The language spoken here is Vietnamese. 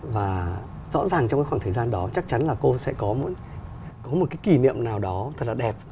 và rõ ràng trong cái khoảng thời gian đó chắc chắn là cô sẽ có một cái kỷ niệm nào đó thật là đẹp